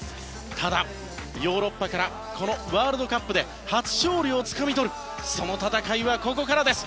ただ、ヨーロッパからこのワールドカップで初勝利をつかみ取るその戦いはここからです。